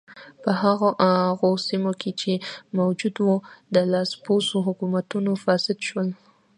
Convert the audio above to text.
په هغو سیمو کې چې موجود و د لاسپوڅو حکومتونو فاسد شول.